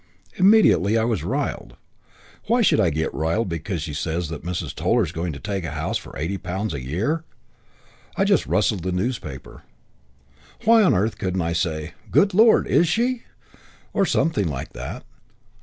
Immediately I was riled. Why should I get riled because she says that Mrs. Toller is going to take a house for eighty pounds a year? I just rustled the newspaper. Why on earth couldn't I say, 'Good lord, is she?' or something like that?